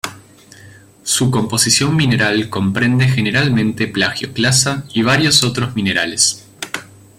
Su composición mineral comprende generalmente plagioclasa y varios otros minerales.